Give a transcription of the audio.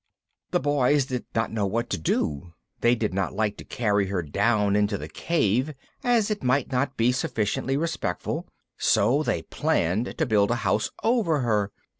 The Boys did not know what to do. They did not like to carry her down into the cave, as it might not be sufficiently respectful, so they planned to build a house over her.